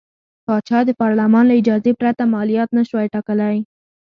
پاچا د پارلمان له اجازې پرته مالیات نه شوای ټاکلی.